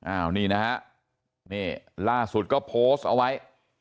อ้าวนี่นะฮะนี่ล่าสุดก็โพสต์เอาไว้